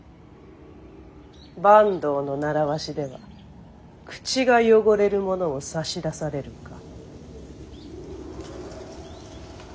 坂東の習わしでは口が汚れるものを差し出されるか。